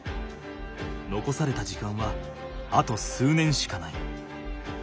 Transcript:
残された時間はあと数年しかない。